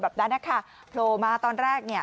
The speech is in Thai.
แบบนั้นนะคะโผล่มาตอนแรกเนี่ย